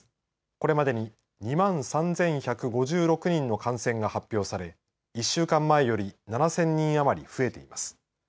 これまでに２万３１５６人の感染が発表され１週間前より７０００人余り増えています。